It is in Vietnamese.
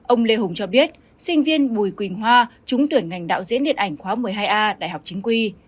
ông lê hùng cho biết sinh viên bùi quỳnh hoa trúng tuyển ngành đạo diễn điện ảnh khóa một mươi hai a đại học chính quy